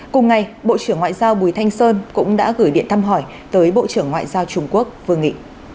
cùng ngày bộ trưởng ngoại giao bùi thanh sơn cũng đã gửi điện thăm hỏi tới bộ trưởng ngoại giao trung quốc vương nghị